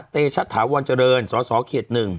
เตชัตถาวรเจริญสสเขต๑